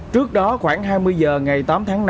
trước đó khoảng hai mươi h ngày tám tháng năm